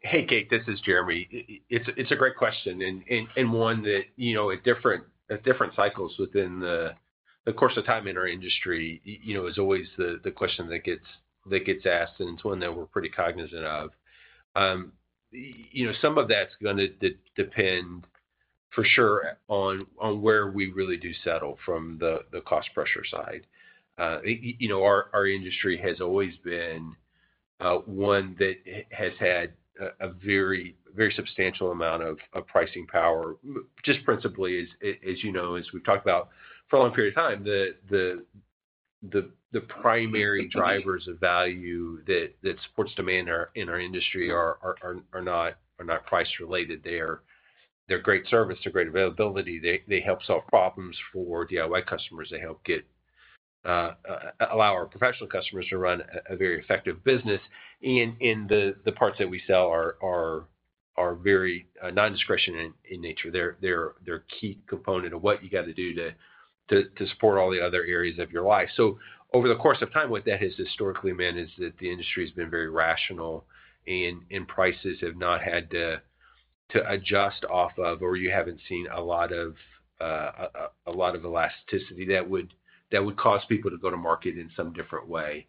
Hey, Kate, this is Jeremy. It's a great question and one that at different cycles within the course of time in our industry is always the question that gets asked, and it's one that we're pretty cognizant of. Some of that's going to depend for sure on where we really do settle from the cost pressure side. Our industry has always been one that has had a very substantial amount of pricing power. Just principally, as you know, as we've talked about for a long period of time, the primary drivers of value that supports demand in our industry are not price-related. They're great service to great availability. They help solve problems for DIY customers. They help allow our professional customers to run a very effective business. The parts that we sell are very non-discretionary in nature. They are a key component of what you got to do to support all the other areas of your life. Over the course of time, what that has historically meant is that the industry has been very rational, and prices have not had to adjust off of, or you have not seen a lot of elasticity that would cause people to go to market in some different way.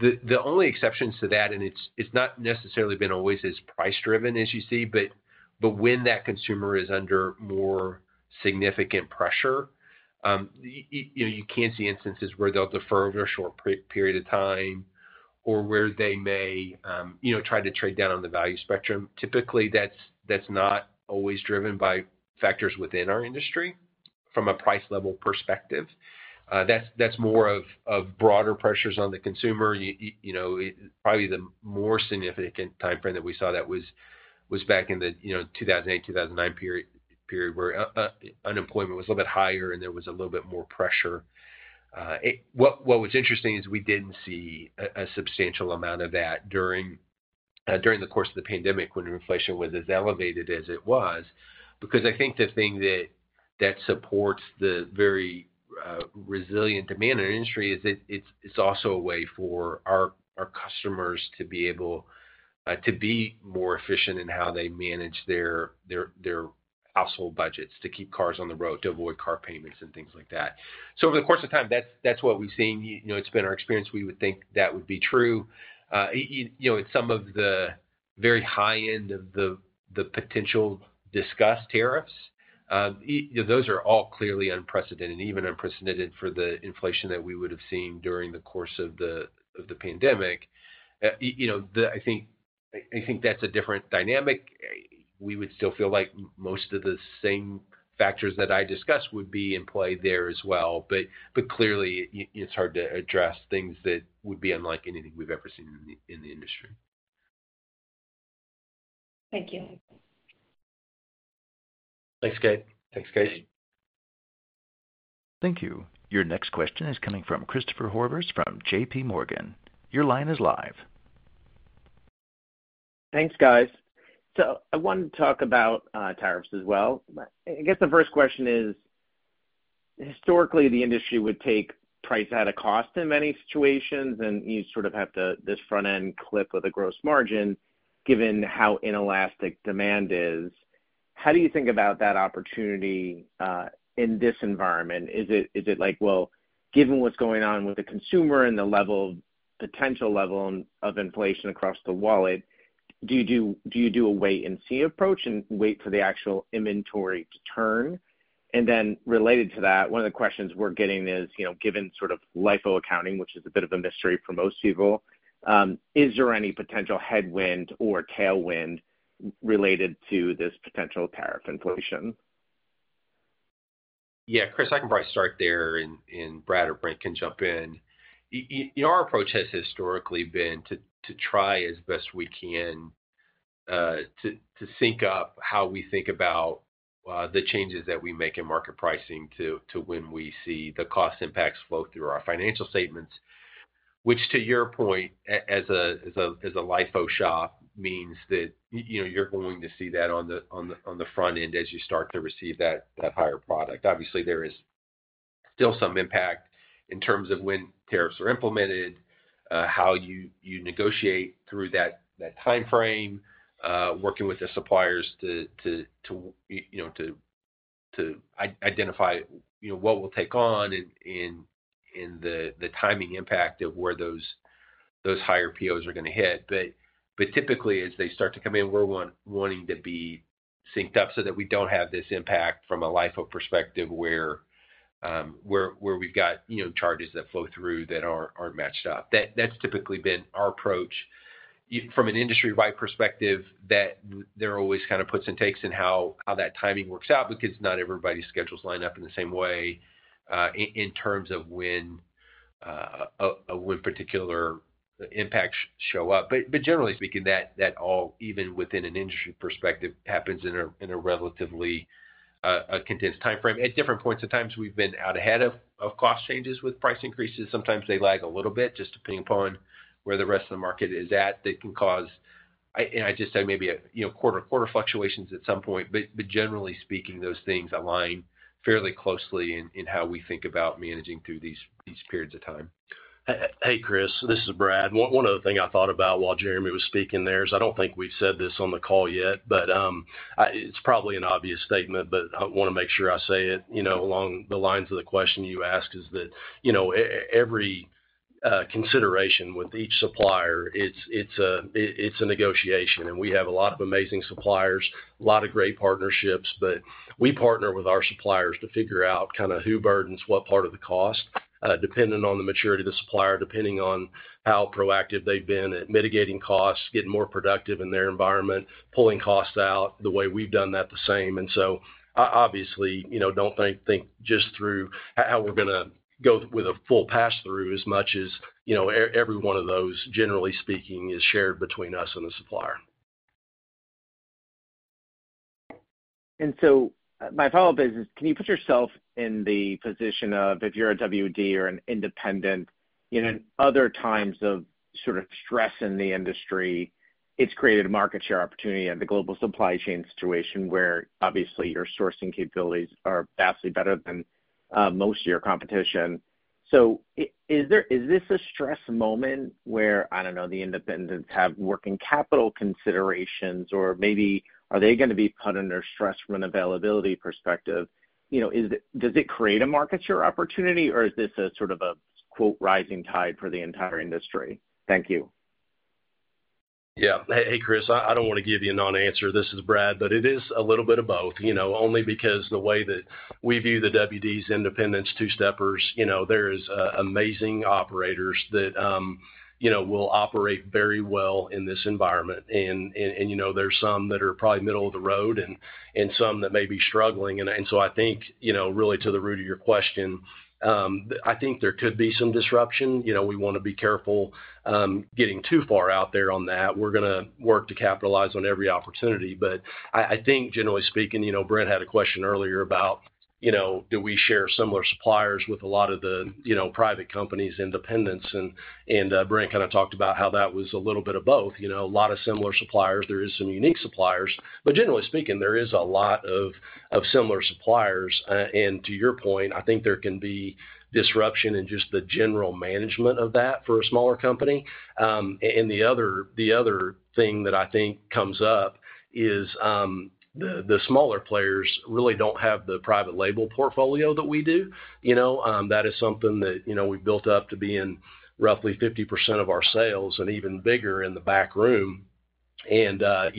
The only exceptions to that, and it has not necessarily been always as price-driven as you see, but when that consumer is under more significant pressure, you can see instances where they will defer over a short period of time or where they may try to trade down on the value spectrum. Typically, that's not always driven by factors within our industry from a price-level perspective. That's more of broader pressures on the consumer. Probably the more significant time frame that we saw that was back in the 2008, 2009 period where unemployment was a little bit higher and there was a little bit more pressure. What was interesting is we didn't see a substantial amount of that during the course of the pandemic when inflation was as elevated as it was. I think the thing that supports the very resilient demand in our industry is it's also a way for our customers to be able to be more efficient in how they manage their household budgets, to keep cars on the road, to avoid car payments, and things like that. Over the course of time, that's what we've seen. It's been our experience. We would think that would be true. Some of the very high end of the potential discussed tariffs, those are all clearly unprecedented, even unprecedented for the inflation that we would have seen during the course of the pandemic. I think that's a different dynamic. We would still feel like most of the same factors that I discussed would be in play there as well. Clearly, it's hard to address things that would be unlike anything we've ever seen in the industry. Thank you. Thanks, Kate. Thanks, Kate. Thank you. Your next question is coming from Christopher Horvers from JPMorgan. Your line is live. Thanks, guys. I wanted to talk about tariffs as well. I guess the first question is, historically, the industry would take price at a cost in many situations, and you sort of have this front-end clip of the gross margin given how inelastic demand is. How do you think about that opportunity in this environment? Is it like, well, given what's going on with the consumer and the potential level of inflation across the wallet, do you do a wait-and-see approach and wait for the actual inventory to turn? And then related to that, one of the questions we're getting is, given sort of LIFO accounting, which is a bit of a mystery for most people, is there any potential headwind or tailwind related to this potential tariff inflation? Yeah, Chris, I can probably start there, and Brad or Brent can jump in. Our approach has historically been to try as best we can to sync up how we think about the changes that we make in market pricing to when we see the cost impacts flow through our financial statements, which to your point, as a LIFO shop, means that you're going to see that on the front end as you start to receive that higher product. Obviously, there is still some impact in terms of when tariffs are implemented, how you negotiate through that time frame, working with the suppliers to identify what we will take on and the timing impact of where those higher POs are going to hit. Typically, as they start to come in, we're wanting to be synced up so that we don't have this impact from a LIFO perspective where we've got charges that flow through that aren't matched up. That's typically been our approach. From an industry-wide perspective, there are always kind of puts and takes in how that timing works out because not everybody's schedules line up in the same way in terms of when particular impacts show up. Generally speaking, that all, even within an industry perspective, happens in a relatively condensed time frame. At different points in time, we've been out ahead of cost changes with price increases. Sometimes they lag a little bit just depending upon where the rest of the market is at. They can cause, and I just said maybe quarter-to-quarter fluctuations at some point. Generally speaking, those things align fairly closely in how we think about managing through these periods of time. Hey, Chris, this is Brad. One other thing I thought about while Jeremy was speaking there is I don't think we've said this on the call yet, but it's probably an obvious statement, but I want to make sure I say it along the lines of the question you asked is that every consideration with each supplier, it's a negotiation. We have a lot of amazing suppliers, a lot of great partnerships, but we partner with our suppliers to figure out kind of who burdens what part of the cost depending on the maturity of the supplier, depending on how proactive they've been at mitigating costs, getting more productive in their environment, pulling costs out the way we've done that the same. Obviously, don't think just through how we're going to go with a full pass-through as much as every one of those, generally speaking, is shared between us and the supplier. My follow-up is, can you put yourself in the position of if you're a WD or an independent? In other times of sort of stress in the industry, it's created a market share opportunity in the global supply chain situation where obviously your sourcing capabilities are vastly better than most of your competition. Is this a stress moment where, I don't know, the independents have working capital considerations, or maybe are they going to be put under stress from an availability perspective? Does it create a market share opportunity, or is this a sort of a "rising tide" for the entire industry? Thank you. Yeah. Hey, Chris, I don't want to give you a non-answer. This is Brad, but it is a little bit of both. Only because the way that we view the WDs, independents, two-steppers, there are amazing operators that will operate very well in this environment. There are some that are probably middle of the road and some that may be struggling. I think really to the root of your question, I think there could be some disruption. We want to be careful getting too far out there on that. We're going to work to capitalize on every opportunity. I think, generally speaking, Brent had a question earlier about, do we share similar suppliers with a lot of the private companies, independents? Brent kind of talked about how that was a little bit of both. A lot of similar suppliers. There are some unique suppliers. Generally speaking, there is a lot of similar suppliers. To your point, I think there can be disruption in just the general management of that for a smaller company. The other thing that I think comes up is the smaller players really don't have the private label portfolio that we do. That is something that we've built up to be in roughly 50% of our sales and even bigger in the back room. The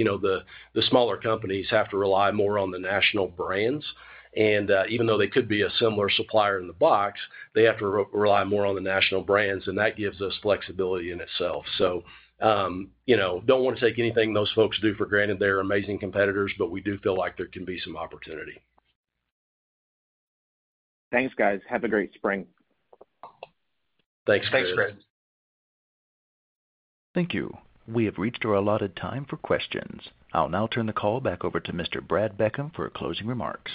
smaller companies have to rely more on the national brands. Even though they could be a similar supplier in the box, they have to rely more on the national brands, and that gives us flexibility in itself. I do not want to take anything those folks do for granted. They're amazing competitors, but we do feel like there can be some opportunity. Thanks, guys. Have a great spring. Thanks, Chris. Thanks, Chris. Thank you. We have reached our allotted time for questions. I'll now turn the call back over to Mr. Brad Beckham for closing remarks.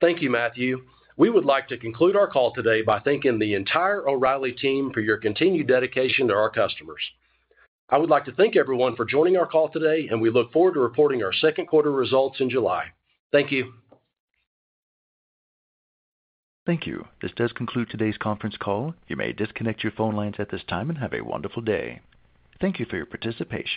Thank you, Matthew. We would like to conclude our call today by thanking the entire O'Reilly team for your continued dedication to our customers. I would like to thank everyone for joining our call today, and we look forward to reporting our second quarter results in July. Thankyou. Thank you. This does conclude today's conference call. You may disconnect your phone lines at this time and have a wonderful day. Thank you for your participation.